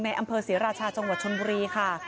อำเภอศรีราชาจังหวัดชนบุรีค่ะ